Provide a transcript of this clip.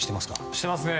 していますね。